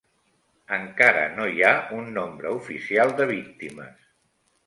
Encara no hi ha un nombre oficial de víctimes